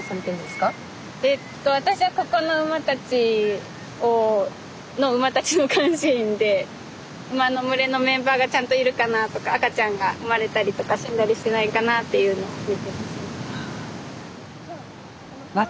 私はここの馬たちを馬たちの監視員で馬の群れのメンバーがちゃんといるかなとか赤ちゃんが生まれたりとか死んだりしてないかなっていうの見てます。